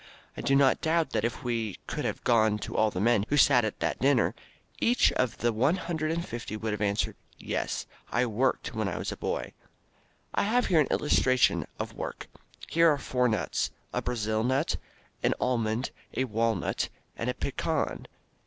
I do not doubt that if we could have gone to all the men who sat at that dinner each of the one hundred and fifty would have answered, "Yes, I worked when I was a boy." I have here an illustration of work. Here are four nuts, a brazil nut, an almond, a walnut and a pecan.